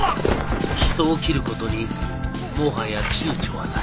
人を斬ることにもはやちゅうちょはない。